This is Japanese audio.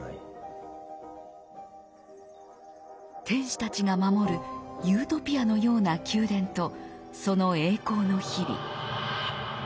天使たちが守るユートピアのような宮殿とその栄光の日々。